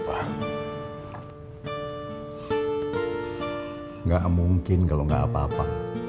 enggak mungkin kalau enggak apa apa